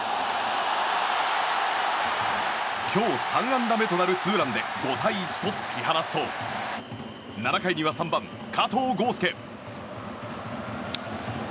今日、３安打目となるツーランで５対１と突き放すと７回には３番、加藤豪将。